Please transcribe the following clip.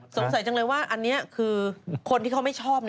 สงสัยจังเลยว่าอันนี้คือคนที่เขาไม่ชอบ